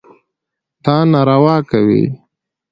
دا ناروا کوي.